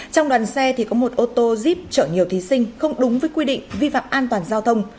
trong đoàn xe thì có một ô tô jeep chở nhiều thí sinh không đúng với quy định vi phạm an toàn giao thông